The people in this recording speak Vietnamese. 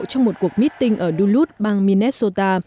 trong một cuộc meeting ở duluth bang minnesota